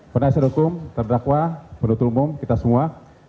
penasih hukum terdakwa penduduk umum kita semua